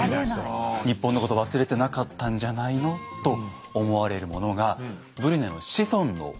日本のことを忘れてなかったんじゃないのと思われるものがブリュネの子孫のおうちに残っているんです。